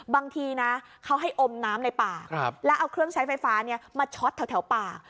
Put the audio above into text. บางทีนะเขาให้อมน้ำในป่าแล้วเอาเครื่องใช้ไฟฟ้ามาช็อตแถวปาก